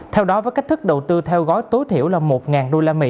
theo đó với cách thức đầu tư theo gói tối thiểu là một usd